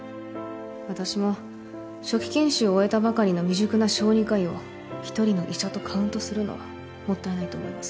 私も初期研修を終えたばかりの未熟な小児科医を１人の医者とカウントするのはもったいないと思います。